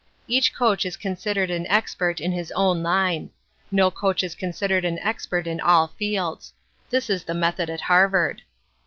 Each coach is considered an expert in his own line. No coach is considered an expert in all fields. This is the method at Harvard.